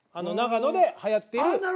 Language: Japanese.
長野ではやっている。